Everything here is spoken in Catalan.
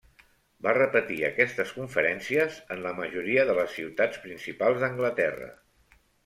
Va repetir aquestes conferències en la majoria de les ciutats principals d'Anglaterra.